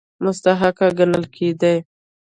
مستحق ګڼل کېدی.